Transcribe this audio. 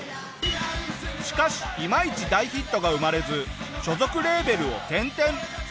しかしいまいち大ヒットが生まれず所属レーベルを転々。